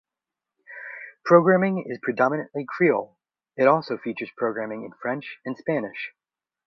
Programming is predominately Creole, it also features programming in French and Spanish.